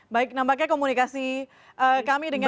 baik nampaknya komunikasi kami dengan